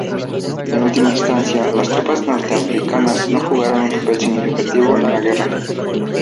En última instancia, las tropas norteafricanas no jugaron un papel significativo en la guerra.